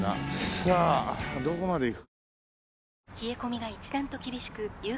さあどこまで行く。